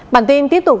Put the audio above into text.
bản tin tiếp tục